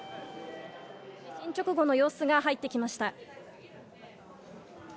地震直後の様子が入ってきました。